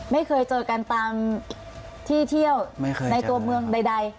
ไม่เคยเจอกันตามที่เที่ยวในตัวเมืองใด